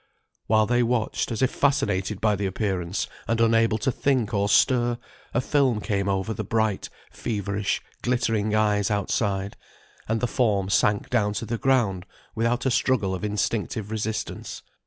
While they watched, as if fascinated by the appearance, and unable to think or stir, a film came over the bright, feverish, glittering eyes outside, and the form sank down to the ground without a struggle of instinctive resistance.